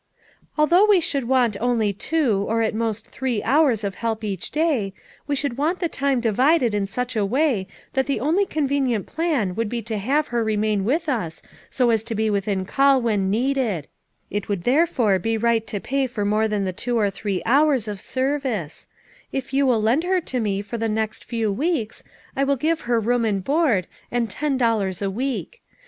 "Although we should want only two, or at most, three hours of help each day, we should want the time divided in such a way that the only convenient plan would be to have her re main with us so as to be within call when needed; it would therefore be right to pay for more than the two or three hours of service; if you will lend her to me for the next few weeks, I will give her room and board, and ten dollars a week.